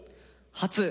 「初」。